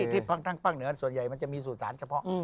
ทางภาคเหนือส่วนใหญ่มันจะมีสู่สารเฉพาะ